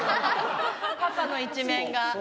パパの一面が。